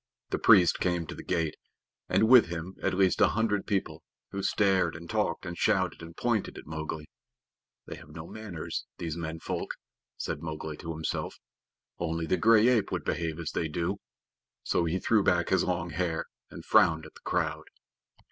The priest came to the gate, and with him at least a hundred people, who stared and talked and shouted and pointed at Mowgli. "They have no manners, these Men Folk," said Mowgli to himself. "Only the gray ape would behave as they do." So he threw back his long hair and frowned at the crowd.